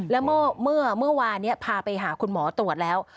แล้วเมื่อวานนี้พาไปหาคุณหมอตรวจแล้ว